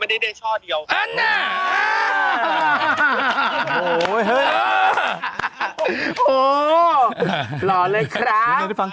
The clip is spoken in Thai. ไม่เกี่ยวกันแล้ววันนั้นผมก็ได้ดอกไม้หลายช่อ